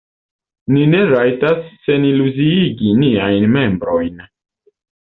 Ni ne rajtas seniluziigi niajn membrojn!